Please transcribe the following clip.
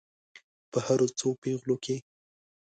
په هرو څو پیغلو کې.